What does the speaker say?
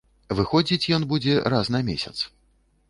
Выходзіць ён будзе раз на месяц.